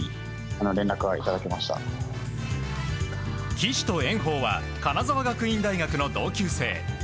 岸と炎鵬は金沢学院大学の同級生。